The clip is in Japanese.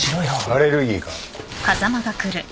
・アレルギーか？